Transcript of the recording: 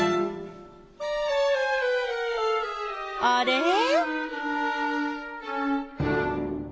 あれ？